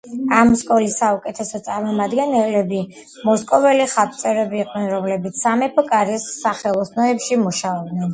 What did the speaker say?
ამ სკოლის საუკეთესო წარმომადგენლები მოსკოველი ხატმწერები იყვნენ, რომლებიც სამეფო კარის სახელოსნოებში მუშაობდნენ.